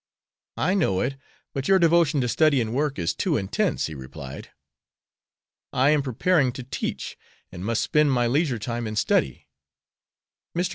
"I know it, but your devotion to study and work is too intense," he replied. "I am preparing to teach, and must spend my leisure time in study. Mr.